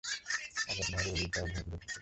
আজাদ নেহরুর অভিপ্রায়ের ঘোর বিরোধী ছিলেন।